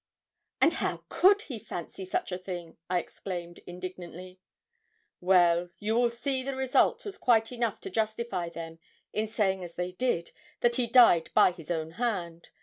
'And how could he fancy such a thing?' I exclaimed indignantly. 'Well, you will see the result was quite enough to justify them in saying as they did, that he died by his own hand.